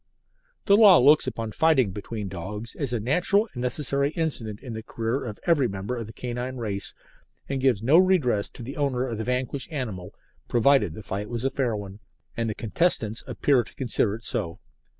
The Law looks upon fighting between dogs as a natural and necessary incident in the career of every member of the canine race, and gives no redress to the owner of the vanquished animal, provided the fight was a fair one, and the contestants appear to consider it so.